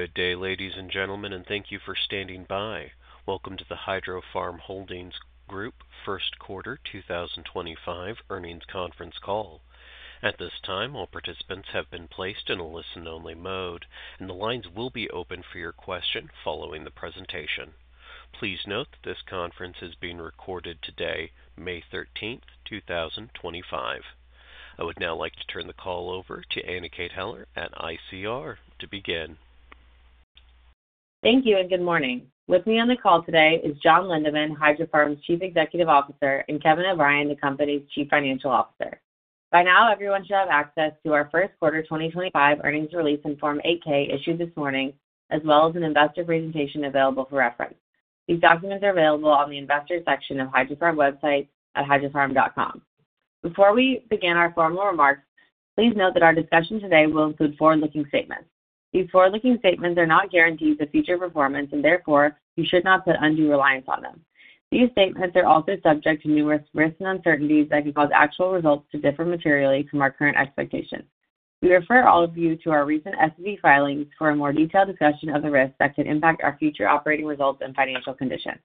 Good day, ladies and gentlemen, and thank you for standing by. Welcome to the Hydrofarm Holdings Group First Quarter 2025 earnings conference call. At this time, all participants have been placed in a listen-only mode, and the lines will be open for your question following the presentation. Please note that this conference is being recorded today, May 13th, 2025. I would now like to turn the call over to Anna Kate Heller at ICR to begin. Thank you and good morning. With me on the call today is John Lindeman, Hydrofarm's Chief Executive Officer, and Kevin O'Brien, the company's Chief Financial Officer. By now, everyone should have access to our first quarter 2025 earnings release and Form 8-K issued this morning, as well as an investor presentation available for reference. These documents are available on the investor section of Hydrofarm's website at hydrofarm.com. Before we begin our formal remarks, please note that our discussion today will include forward-looking statements. These forward-looking statements are not guarantees of future performance, and therefore, you should not put undue reliance on them. These statements are also subject to numerous risks and uncertainties that can cause actual results to differ materially from our current expectations. We refer all of you to our recent SEC filings for a more detailed discussion of the risks that could impact our future operating results and financial condition.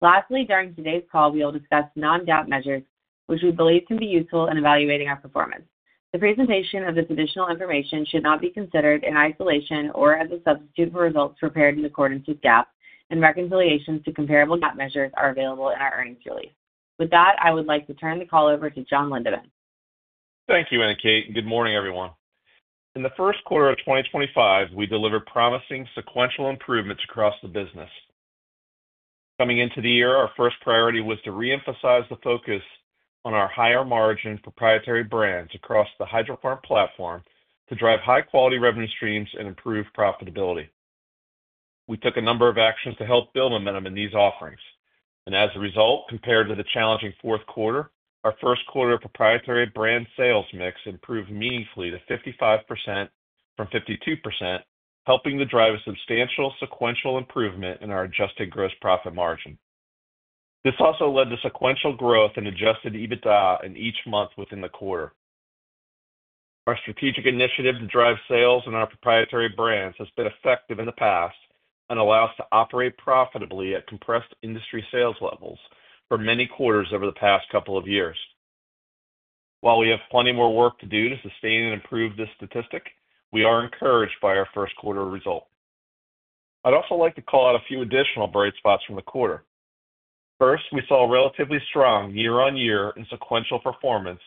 Lastly, during today's call, we will discuss non-GAAP measures, which we believe can be useful in evaluating our performance. The presentation of this additional information should not be considered in isolation or as a substitute for results prepared in accordance with GAAP, and reconciliations to comparable GAAP measures are available in our earnings release. With that, I would like to turn the call over to John Lindeman. Thank you, Anna Kate, and good morning, everyone. In the first quarter of 2025, we delivered promising sequential improvements across the business. Coming into the year, our first priority was to reemphasize the focus on our higher margin proprietary brands across the Hydrofarm platform to drive high-quality revenue streams and improve profitability. We took a number of actions to help build momentum in these offerings, and as a result, compared to the challenging fourth quarter, our first quarter proprietary brand sales mix improved meaningfully to 55% from 52%, helping to drive a substantial sequential improvement in our adjusted gross profit margin. This also led to sequential growth in adjusted EBITDA in each month within the quarter. Our strategic initiative to drive sales in our proprietary brands has been effective in the past and allows us to operate profitably at compressed industry sales levels for many quarters over the past couple of years. While we have plenty more work to do to sustain and improve this statistic, we are encouraged by our first quarter result. I'd also like to call out a few additional bright spots from the quarter. First, we saw relatively strong year-on-year and sequential performance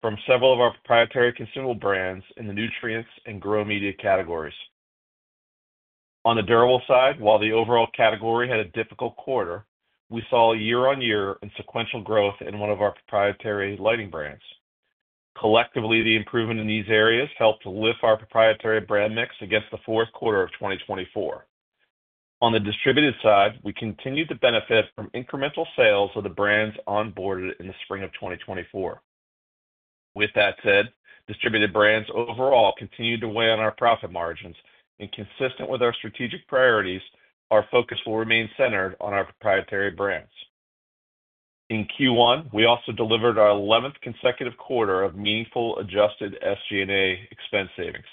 from several of our proprietary consumable brands in the nutrients and grow media categories. On the durable side, while the overall category had a difficult quarter, we saw year-on-year and sequential growth in one of our proprietary lighting brands. Collectively, the improvement in these areas helped to lift our proprietary brand mix against the fourth quarter of 2024. On the distributed side, we continued to benefit from incremental sales of the brands onboarded in the spring of 2024. With that said, distributed brands overall continued to weigh on our profit margins, and consistent with our strategic priorities, our focus will remain centered on our proprietary brands. In Q1, we also delivered our 11th consecutive quarter of meaningful adjusted SG&A expense savings.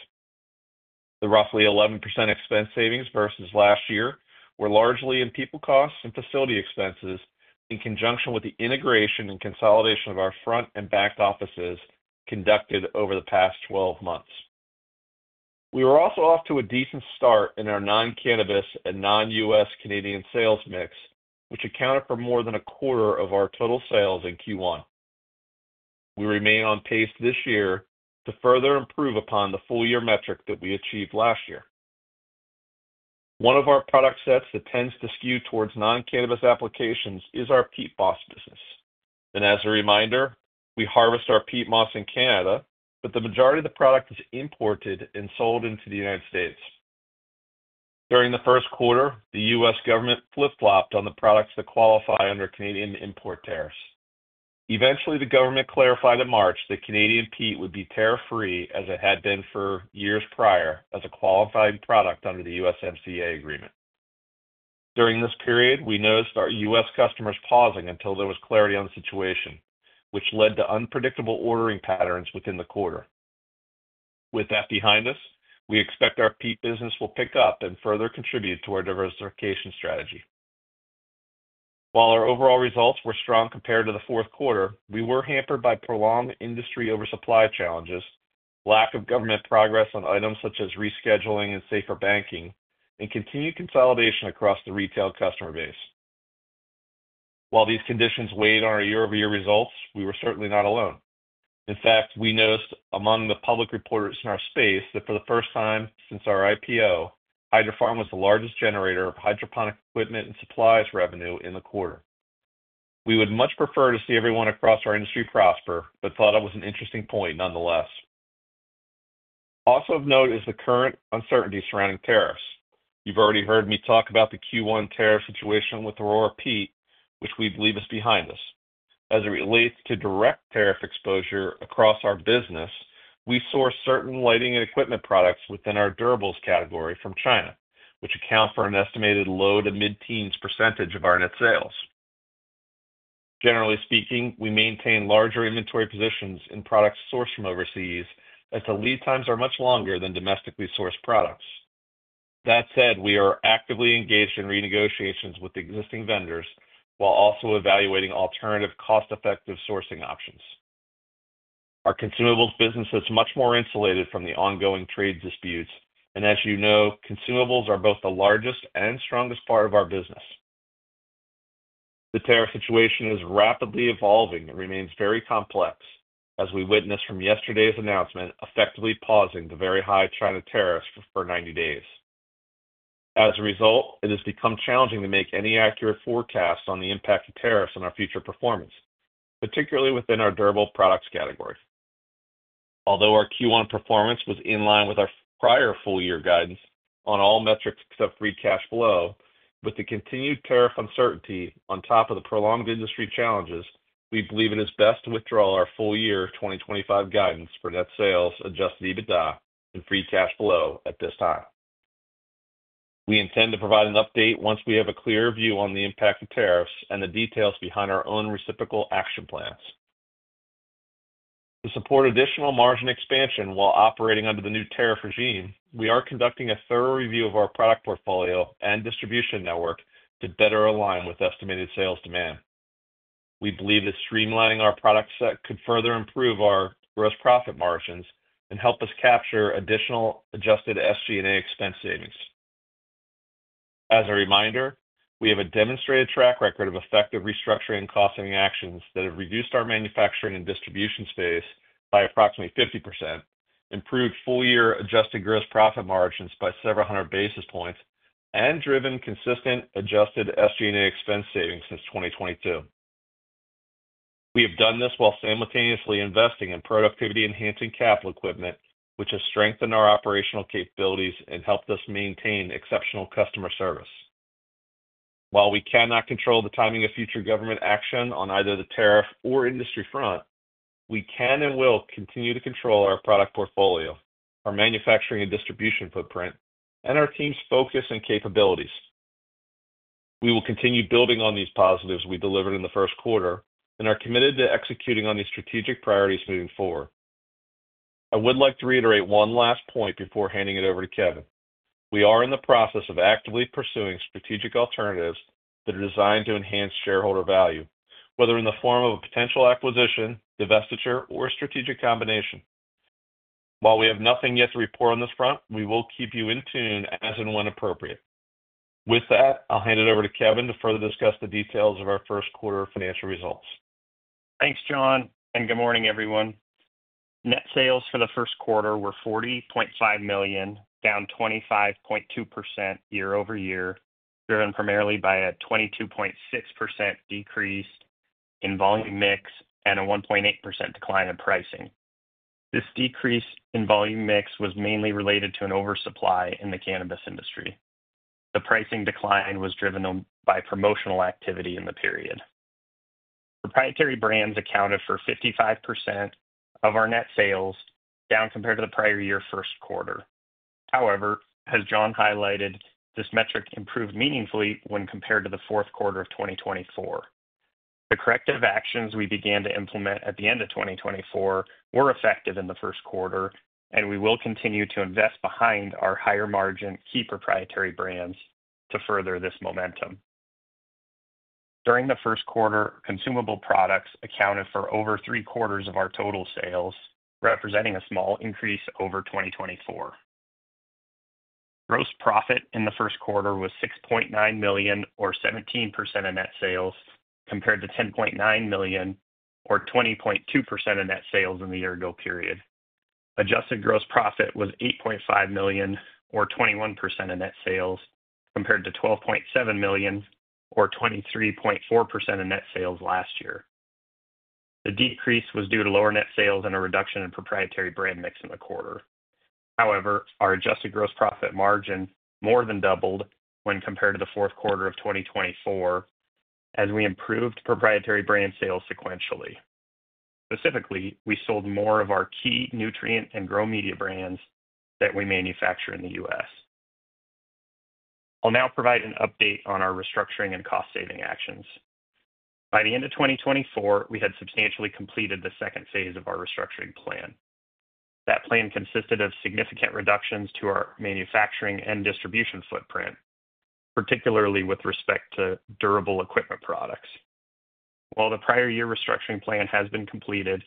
The roughly 11% expense savings versus last year were largely in people costs and facility expenses in conjunction with the integration and consolidation of our front and back offices conducted over the past 12 months. We were also off to a decent start in our non-cannabis and non-U.S. Canadian sales mix, which accounted for more than a quarter of our total sales in Q1. We remain on pace this year to further improve upon the full-year metric that we achieved last year. One of our product sets that tends to skew towards non-cannabis applications is our peat moss business. As a reminder, we harvest our peat moss in Canada, but the majority of the product is imported and sold into the United States. During the first quarter, the U.S. government flip-flopped on the products that qualify under Canadian import tariffs. Eventually, the government clarified in March that Canadian peat would be tariff-free as it had been for years prior as a qualifying product under the USMCA agreement. During this period, we noticed our U.S. customers pausing until there was clarity on the situation, which led to unpredictable ordering patterns within the quarter. With that behind us, we expect our peat business will pick up and further contribute to our diversification strategy. While our overall results were strong compared to the fourth quarter, we were hampered by prolonged industry oversupply challenges, lack of government progress on items such as rescheduling and Safer Banking, and continued consolidation across the retail customer base. While these conditions weighed on our year-over-year results, we were certainly not alone. In fact, we noticed among the public reporters in our space that for the first time since our IPO, Hydrofarm was the largest generator of hydroponic equipment and supplies revenue in the quarter. We would much prefer to see everyone across our industry prosper, but thought it was an interesting point nonetheless. Also of note is the current uncertainty surrounding tariffs. You've already heard me talk about the Q1 tariff situation with Aurora Peat, which we believe is behind us. As it relates to direct tariff exposure across our business, we source certain lighting and equipment products within our durables category from China, which accounts for an estimated low to mid-teens % of our net sales. Generally speaking, we maintain larger inventory positions in products sourced from overseas as the lead times are much longer than domestically sourced products. That said, we are actively engaged in renegotiations with existing vendors while also evaluating alternative cost-effective sourcing options. Our consumables business is much more insulated from the ongoing trade disputes, and as you know, consumables are both the largest and strongest part of our business. The tariff situation is rapidly evolving and remains very complex, as we witness from yesterday's announcement effectively pausing the very high China tariffs for 90 days. As a result, it has become challenging to make any accurate forecasts on the impact of tariffs on our future performance, particularly within our durable products category. Although our Q1 performance was in line with our prior full-year guidance on all metrics except free cash flow, with the continued tariff uncertainty on top of the prolonged industry challenges, we believe it is best to withdraw our full-year 2025 guidance for net sales, adjusted EBITDA, and free cash flow at this time. We intend to provide an update once we have a clear view on the impact of tariffs and the details behind our own reciprocal action plans. To support additional margin expansion while operating under the new tariff regime, we are conducting a thorough review of our product portfolio and distribution network to better align with estimated sales demand. We believe that streamlining our product set could further improve our gross profit margins and help us capture additional adjusted SG&A expense savings. As a reminder, we have a demonstrated track record of effective restructuring and cost-saving actions that have reduced our manufacturing and distribution space by approximately 50%, improved full-year adjusted gross profit margins by several hundred basis points, and driven consistent adjusted SG&A expense savings since 2022. We have done this while simultaneously investing in productivity-enhancing capital equipment, which has strengthened our operational capabilities and helped us maintain exceptional customer service. While we cannot control the timing of future government action on either the tariff or industry front, we can and will continue to control our product portfolio, our manufacturing and distribution footprint, and our team's focus and capabilities. We will continue building on these positives we delivered in the first quarter and are committed to executing on these strategic priorities moving forward. I would like to reiterate one last point before handing it over to Kevin. We are in the process of actively pursuing strategic alternatives that are designed to enhance shareholder value, whether in the form of a potential acquisition, divestiture, or strategic combination. While we have nothing yet to report on this front, we will keep you in tune as and when appropriate. With that, I'll hand it over to Kevin to further discuss the details of our first quarter financial results. Thanks, John, and good morning, everyone. Net sales for the first quarter were $40.5 million, down 25.2% year-over-year, driven primarily by a 22.6% decrease in volume mix and a 1.8% decline in pricing. This decrease in volume mix was mainly related to an oversupply in the cannabis industry. The pricing decline was driven by promotional activity in the period. Proprietary brands accounted for 55% of our net sales, down compared to the prior year first quarter. However, as John highlighted, this metric improved meaningfully when compared to the fourth quarter of 2024. The corrective actions we began to implement at the end of 2024 were effective in the first quarter, and we will continue to invest behind our higher-margin key proprietary brands to further this momentum. During the first quarter, consumable products accounted for over three quarters of our total sales, representing a small increase over 2024. Gross profit in the first quarter was $6.9 million, or 17% of net sales, compared to $10.9 million, or 20.2% of net sales in the year-ago period. Adjusted gross profit was $8.5 million, or 21% of net sales, compared to $12.7 million, or 23.4% of net sales last year. The decrease was due to lower net sales and a reduction in proprietary brand mix in the quarter. However, our adjusted gross profit margin more than doubled when compared to the fourth quarter of 2024 as we improved proprietary brand sales sequentially. Specifically, we sold more of our key nutrient and grow media brands that we manufacture in the U.S. I'll now provide an update on our restructuring and cost-saving actions. By the end of 2024, we had substantially completed the second phase of our restructuring plan. That plan consisted of significant reductions to our manufacturing and distribution footprint, particularly with respect to durable equipment products. While the prior year restructuring plan has been completed,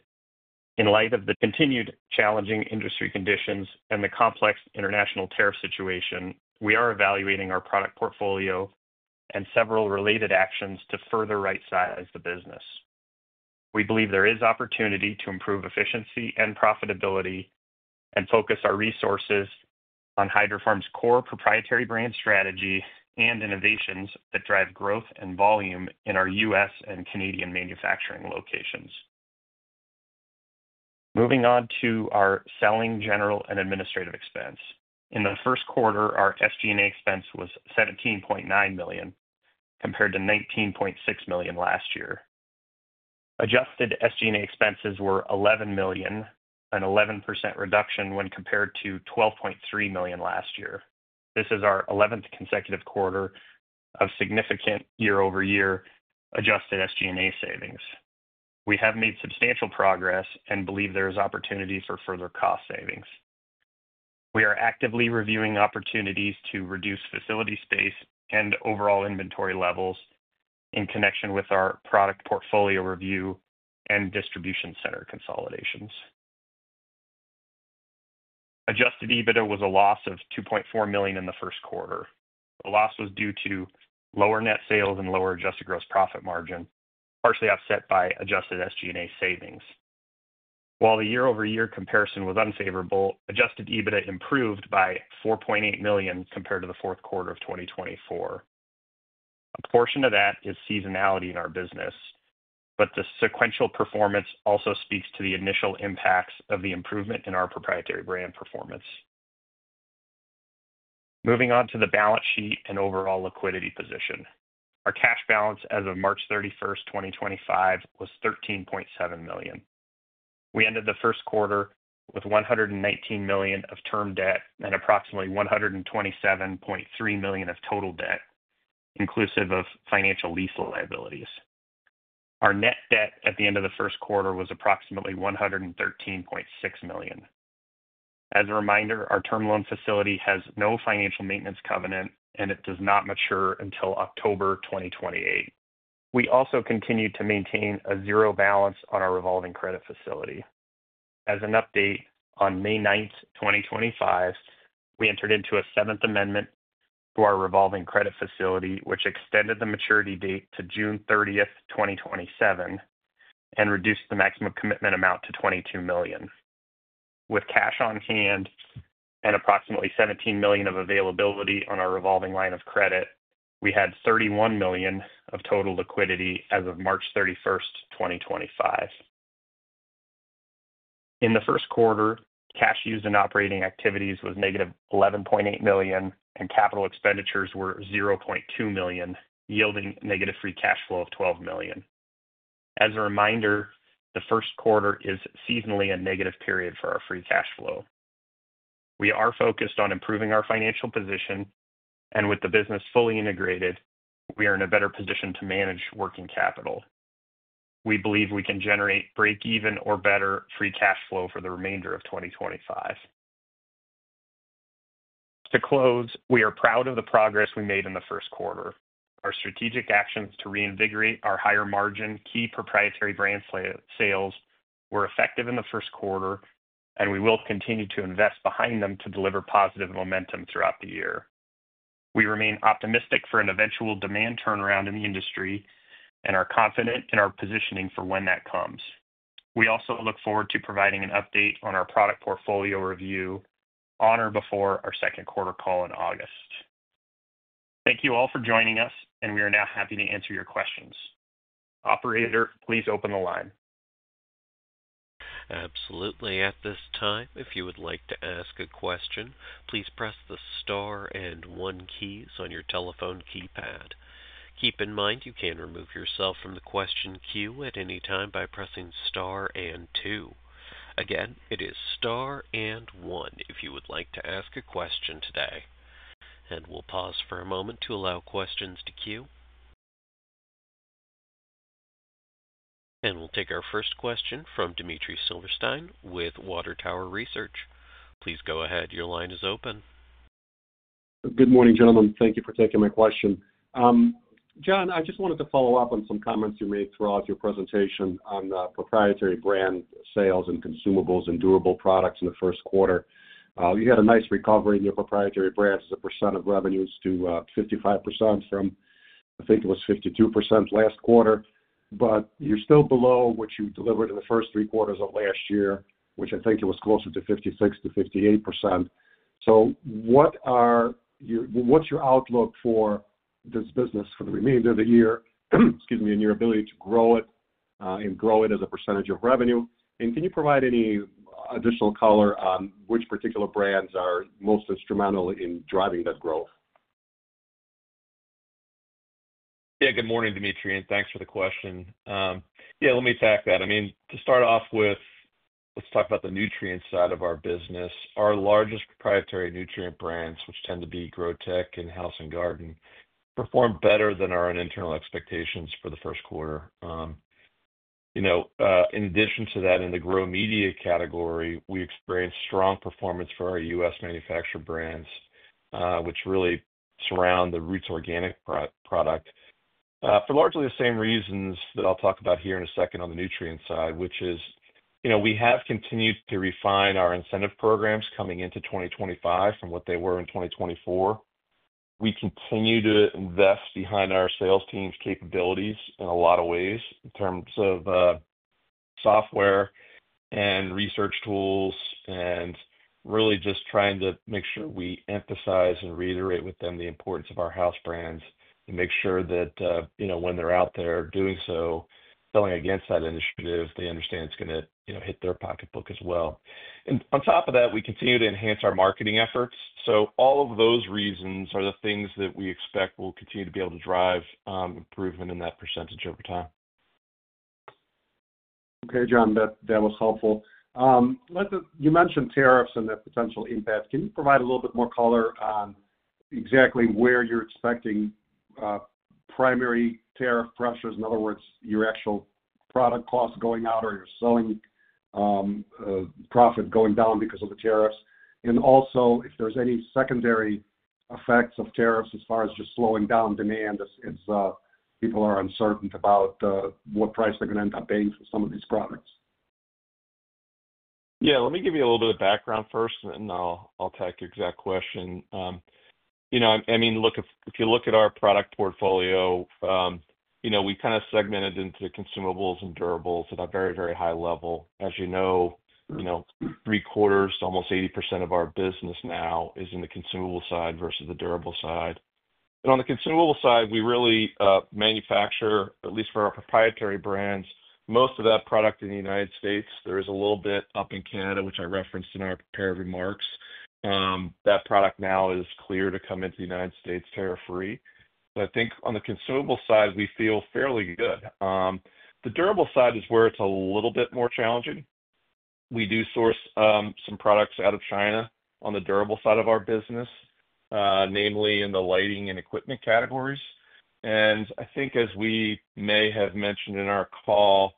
in light of the continued challenging industry conditions and the complex international tariff situation, we are evaluating our product portfolio and several related actions to further right-size the business. We believe there is opportunity to improve efficiency and profitability and focus our resources on Hydrofarm's core proprietary brand strategy and innovations that drive growth and volume in our U.S. and Canadian manufacturing locations. Moving on to our selling, general, and administrative expense. In the first quarter, our SG&A expense was $17.9 million, compared to $19.6 million last year. Adjusted SG&A expenses were $11 million, an 11% reduction when compared to $12.3 million last year. This is our 11th consecutive quarter of significant year-over-year adjusted SG&A savings. We have made substantial progress and believe there is opportunity for further cost savings. We are actively reviewing opportunities to reduce facility space and overall inventory levels in connection with our product portfolio review and distribution center consolidations. Adjusted EBITDA was a loss of $2.4 million in the first quarter. The loss was due to lower net sales and lower adjusted gross profit margin, partially offset by adjusted SG&A savings. While the year-over-year comparison was unfavorable, adjusted EBITDA improved by $4.8 million compared to the fourth quarter of 2024. A portion of that is seasonality in our business, but the sequential performance also speaks to the initial impacts of the improvement in our proprietary brand performance. Moving on to the balance sheet and overall liquidity position. Our cash balance as of March 31st, 2025, was $13.7 million. We ended the first quarter with $119 million of term debt and approximately $127.3 million of total debt, inclusive of financial lease liabilities. Our net debt at the end of the first quarter was approximately $113.6 million. As a reminder, our term loan facility has no financial maintenance covenant, and it does not mature until October 2028. We also continued to maintain a zero balance on our revolving credit facility. As an update, on May 9, 2025, we entered into a Seventh Amendment to our revolving credit facility, which extended the maturity date to June 30th, 2027, and reduced the maximum commitment amount to $22 million. With cash on hand and approximately $17 million of availability on our revolving line of credit, we had $31 million of total liquidity as of March 31st, 2025. In the first quarter, cash used in operating activities was negative $11.8 million, and capital expenditures were $0.2 million, yielding negative free cash flow of $12 million. As a reminder, the first quarter is seasonally a negative period for our free cash flow. We are focused on improving our financial position, and with the business fully integrated, we are in a better position to manage working capital. We believe we can generate break-even or better free cash flow for the remainder of 2025. To close, we are proud of the progress we made in the first quarter. Our strategic actions to reinvigorate our higher-margin key proprietary brand sales were effective in the first quarter, and we will continue to invest behind them to deliver positive momentum throughout the year. We remain optimistic for an eventual demand turnaround in the industry and are confident in our positioning for when that comes. We also look forward to providing an update on our product portfolio review on or before our second quarter call in August. Thank you all for joining us, and we are now happy to answer your questions. Operator, please open the line. Absolutely. At this time, if you would like to ask a question, please press the star and one keys on your telephone keypad. Keep in mind you can remove yourself from the question queue at any time by pressing star and two. Again, it is star and one if you would like to ask a question today. We'll pause for a moment to allow questions to queue. We'll take our first question from Dmitry Silversteyn with Water Tower Research. Please go ahead. Your line is open. Good morning, gentlemen. Thank you for taking my question. John, I just wanted to follow up on some comments you made throughout your presentation on proprietary brand sales and consumables and durable products in the first quarter. You had a nice recovery in your proprietary brands as a percent of revenues to 55% from, I think it was 52% last quarter, but you're still below what you delivered in the first three quarters of last year, which I think it was closer to 56%-58%. What is your outlook for this business for the remainder of the year? Excuse me, in your ability to grow it and grow it as a percentage of revenue? Can you provide any additional color on which particular brands are most instrumental in driving that growth? Yeah, good morning, Dimitri, and thanks for the question. Yeah, let me tack that. I mean, to start off with, let's talk about the nutrient side of our business. Our largest proprietary nutrient brands, which tend to be Grotek and House & Garden, performed better than our own internal expectations for the first quarter. In addition to that, in the grow media category, we experienced strong performance for our U.S. manufactured brands, which really surround the Roots Organics product for largely the same reasons that I'll talk about here in a second on the nutrient side, which is we have continued to refine our incentive programs coming into 2025 from what they were in 2024. We continue to invest behind our sales team's capabilities in a lot of ways in terms of software and research tools and really just trying to make sure we emphasize and reiterate with them the importance of our house brands and make sure that when they're out there doing so, selling against that initiative, they understand it's going to hit their pocketbook as well. On top of that, we continue to enhance our marketing efforts. All of those reasons are the things that we expect will continue to be able to drive improvement in that percentage over time. Okay, John, that was helpful. You mentioned tariffs and their potential impact. Can you provide a little bit more color on exactly where you're expecting primary tariff pressures? In other words, your actual product costs going out or your selling profit going down because of the tariffs. Also, if there's any secondary effects of tariffs as far as just slowing down demand as people are uncertain about what price they're going to end up paying for some of these products. Yeah, let me give you a little bit of background first, and I'll tack your exact question. I mean, if you look at our product portfolio, we kind of segment it into consumables and durables at a very, very high level. As you know, three quarters, almost 80% of our business now is in the consumable side versus the durable side. On the consumable side, we really manufacture, at least for our proprietary brands, most of that product in the United States. There is a little bit up in Canada, which I referenced in our prepared remarks. That product now is clear to come into the United States tariff-free. I think on the consumable side, we feel fairly good. The durable side is where it's a little bit more challenging. We do source some products out of China on the durable side of our business, namely in the lighting and equipment categories. I think, as we may have mentioned in our call,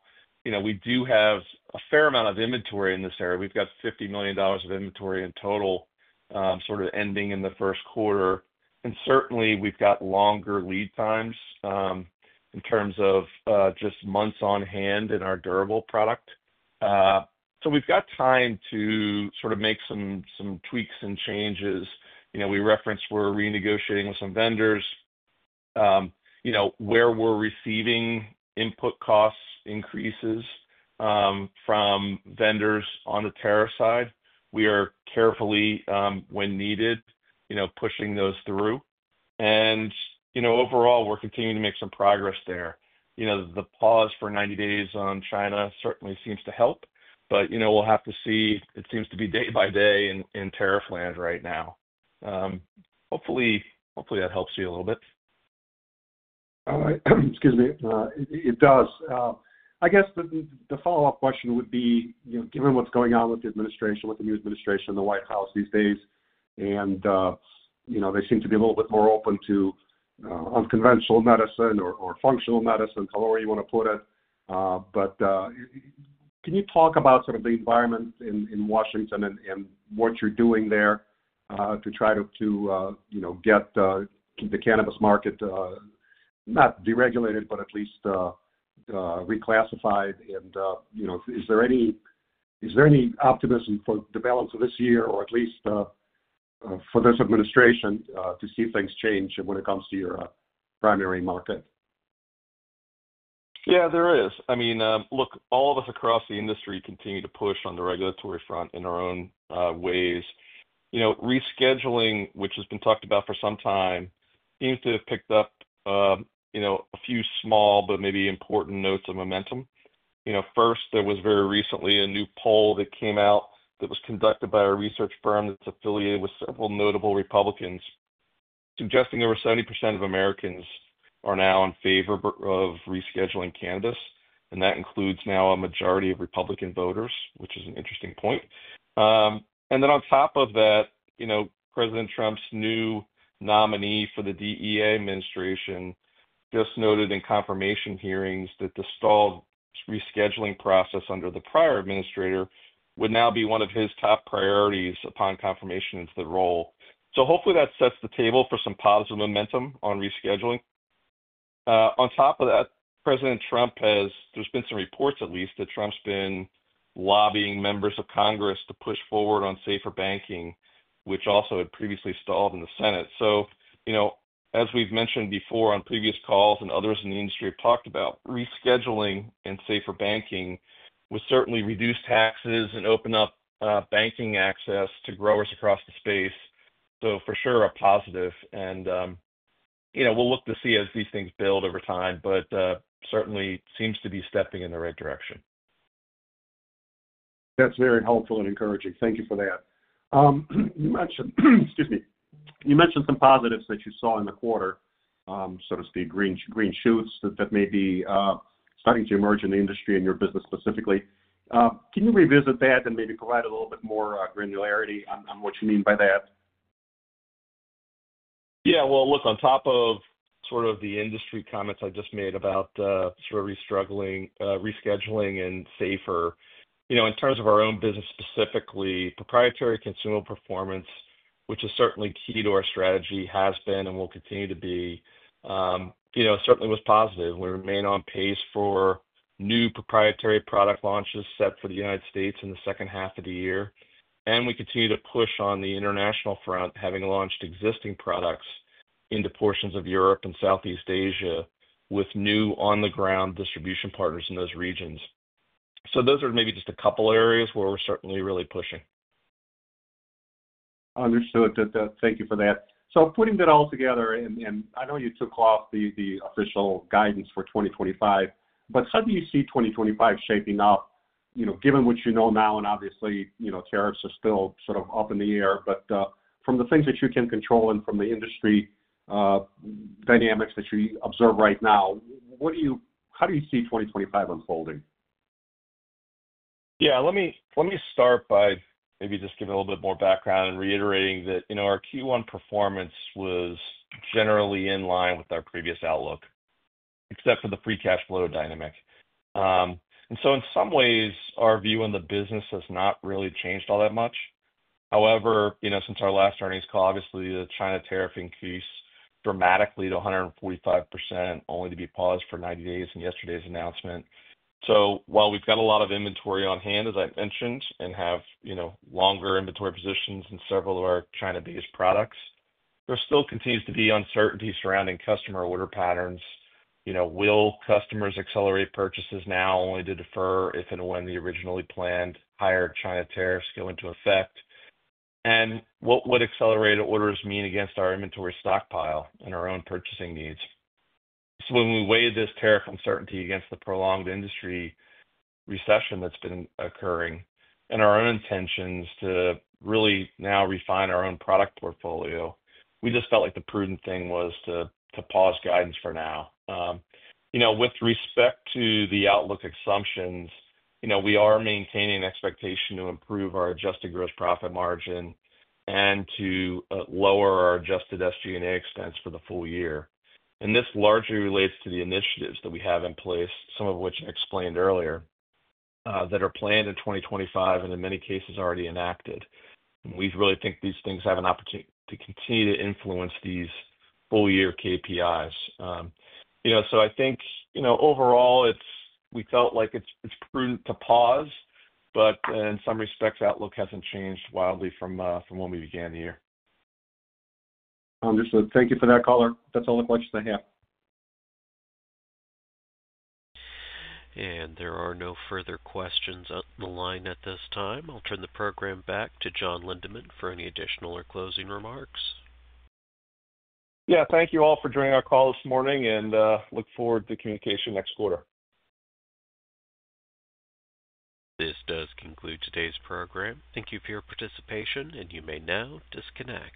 we do have a fair amount of inventory in this area. We have $50 million of inventory in total sort of ending in the first quarter. Certainly, we have longer lead times in terms of just months on hand in our durable product. We have time to sort of make some tweaks and changes. We referenced we are renegotiating with some vendors where we are receiving input cost increases from vendors on the tariff side. We are carefully, when needed, pushing those through. Overall, we are continuing to make some progress there. The pause for 90 days on China certainly seems to help, but we will have to see. It seems to be day by day in tariff land right now. Hopefully, that helps you a little bit. Excuse me. It does. I guess the follow-up question would be, given what's going on with the administration, with the new administration in the White House these days, and they seem to be a little bit more open to unconventional medicine or functional medicine, however you want to put it. Can you talk about sort of the environment in Washington and what you're doing there to try to get the cannabis market not deregulated, but at least reclassified? Is there any optimism for the balance of this year or at least for this administration to see things change when it comes to your primary market? Yeah, there is. I mean, look, all of us across the industry continue to push on the regulatory front in our own ways. Rescheduling, which has been talked about for some time, seems to have picked up a few small but maybe important notes of momentum. First, there was very recently a new poll that came out that was conducted by a research firm that's affiliated with several notable Republicans, suggesting over 70% of Americans are now in favor of rescheduling cannabis. That includes now a majority of Republican voters, which is an interesting point. On top of that, President Trump's new nominee for the DEA administration just noted in confirmation hearings that the stalled rescheduling process under the prior administrator would now be one of his top priorities upon confirmation into the role. Hopefully, that sets the table for some positive momentum on rescheduling. On top of that, President Trump has, there's been some reports at least that Trump's been lobbying members of Congress to push forward on Safer Banking, which also had previously stalled in the Senate. As we've mentioned before on previous calls and others in the industry have talked about, rescheduling and Safer Banking would certainly reduce taxes and open up banking access to growers across the space. For sure, a positive. We'll look to see as these things build over time, but certainly seems to be stepping in the right direction. That's very helpful and encouraging. Thank you for that. You mentioned, excuse me, you mentioned some positives that you saw in the quarter, so to speak, green shoots that may be starting to emerge in the industry and your business specifically. Can you revisit that and maybe provide a little bit more granularity on what you mean by that? Yeah. Look, on top of sort of the industry comments I just made about sort of rescheduling and safer, in terms of our own business specifically, proprietary consumer performance, which is certainly key to our strategy, has been and will continue to be, certainly was positive. We remain on pace for new proprietary product launches set for the United States in the second half of the year. We continue to push on the international front, having launched existing products into portions of Europe and Southeast Asia with new on-the-ground distribution partners in those regions. Those are maybe just a couple of areas where we're certainly really pushing. Understood. Thank you for that. Putting that all together, and I know you took off the official guidance for 2025, how do you see 2025 shaping up given what you know now? Obviously, tariffs are still sort of up in the air, but from the things that you can control and from the industry dynamics that you observe right now, how do you see 2025 unfolding? Yeah. Let me start by maybe just giving a little bit more background and reiterating that our Q1 performance was generally in line with our previous outlook, except for the free cash flow dynamic. In some ways, our view on the business has not really changed all that much. However, since our last earnings call, obviously, the China tariff increased dramatically to 145%, only to be paused for 90 days in yesterday's announcement. While we've got a lot of inventory on hand, as I mentioned, and have longer inventory positions in several of our China-based products, there still continues to be uncertainty surrounding customer order patterns. Will customers accelerate purchases now only to defer if and when the originally planned higher China tariffs go into effect? What would accelerated orders mean against our inventory stockpile and our own purchasing needs? When we weigh this tariff uncertainty against the prolonged industry recession that's been occurring and our own intentions to really now refine our own product portfolio, we just felt like the prudent thing was to pause guidance for now. With respect to the outlook assumptions, we are maintaining an expectation to improve our adjusted gross profit margin and to lower our adjusted SG&A expense for the full year. This largely relates to the initiatives that we have in place, some of which I explained earlier, that are planned in 2025 and in many cases already enacted. We really think these things have an opportunity to continue to influence these full-year KPIs. I think overall, we felt like it's prudent to pause, but in some respects, outlook hasn't changed wildly from when we began the year. Understood. Thank you for that, color. That's all the questions I have. There are no further questions on the line at this time. I'll turn the program back to John Lindeman for any additional or closing remarks. Yeah. Thank you all for joining our call this morning, and look forward to communication next quarter. This does conclude today's program. Thank you for your participation, and you may now disconnect.